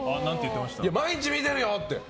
毎日見てるよ！って。